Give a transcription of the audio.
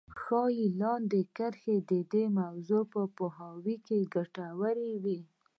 ښايي لاندې کرښې د دې موضوع په پوهاوي کې ګټورې وي.